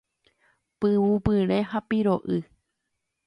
Pyvupyre ha piro'y.